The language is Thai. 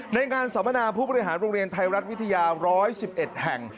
ในงานสามนาผู้บริหารโรงเรียนไทยรัฐวิทยาร้อยสิบเอ็ดแห่ง